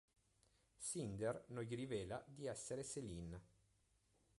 Cinder non gli rivela di essere Selene.